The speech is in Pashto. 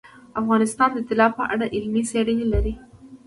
افغانستان د طلا په اړه علمي څېړنې لري.